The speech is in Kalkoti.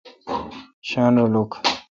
شاین رل اوک۔